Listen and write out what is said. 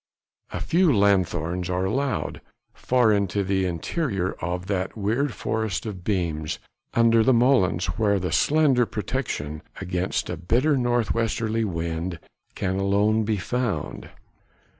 A few lanthorns are allowed, far into the interior of that weird forest of beams under the molens where slender protection against a bitter north westerly wind can alone be found.